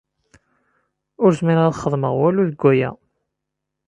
Ur zmireɣ ad xedmeɣ walu deg aya.